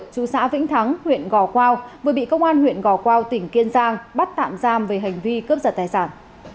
chú xã vĩnh thắng huyện gò quao vừa bị công an huyện gò quao tỉnh kiên giang bắt tạm giam về hành vi cướp giật tài sản